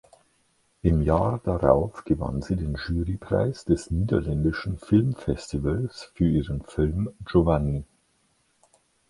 Im Jahr darauf gewann sie den Jurypreis des Niederländischen Filmfestivals für ihren Film "Giovanni".